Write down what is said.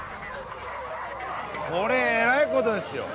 これえらい事ですよ。